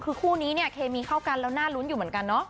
คือคู่นี้เนี่ยเคมีเข้ากันแล้วน่ารุ้นอยู่เหมือนกันเนาะ